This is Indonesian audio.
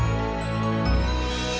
emanya udah pulang kok